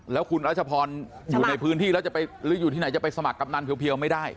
แล้วคุณรัชพรอยู่ในพื้นที่แล้วจะไปหรืออยู่ที่ไหนจะไปสมัครกำนันเพียวไม่ได้